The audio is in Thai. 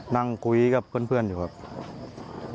นั่งคุยกับเพื่อนอยู่ครับ